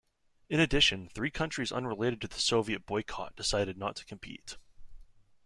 In addition, three countries unrelated to the Soviet boycott decided not to compete.